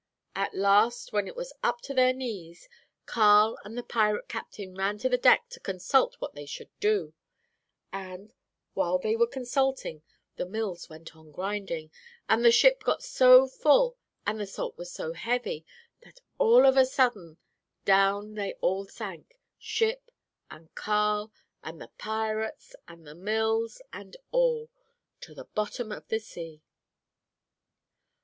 At last, when it was up to their knees, Carl and the pirate captain ran to the deck to consult what they should do; and, while they were consulting, the mills went on grinding. And the ship got so full, and the salt was so heavy, that, all of a sudden, down they all sank, ship and Carl and the pirates and the mills and all, to the bottom of the sea."